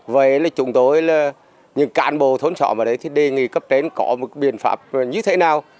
vậy là chúng tôi là những can bồ thốn trọng ở đây thì đề nghị cấp tỉnh có một biện pháp như thế nào